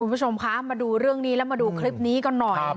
คุณผู้ชมคะมาดูเรื่องนี้แล้วมาดูคลิปนี้กันหน่อย